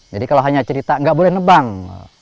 jadi kalau hanya cerita nggak boleh nebang